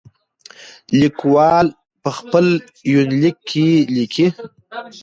ليکوال په خپل يونليک کې ليکي.